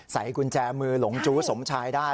ใส่กุญแจมือหลงจู้สมชายได้